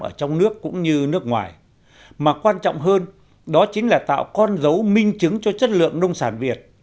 ở trong nước cũng như nước ngoài mà quan trọng hơn đó chính là tạo con dấu minh chứng cho chất lượng nông sản việt